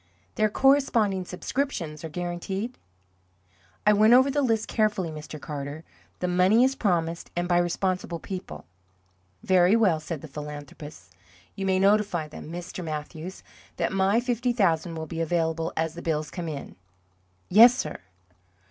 "Their corresponding subscriptions are guaranteed?" "I went over the list carefully, Mr. Carter. The money is promised, and by responsible people." "Very well," said the philanthropist. "You may notify them, Mr. Mathews, that my fifty thousand will be available as the bills come in." "Yes, sir."